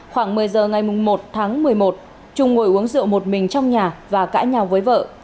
khoảng một mươi giờ ngày một tháng một mươi một trung ngồi uống rượu một mình trong nhà và cãi nhau với vợ